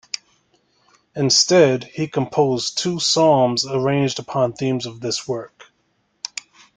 Instead, he composed two psalms arranged upon themes of this work.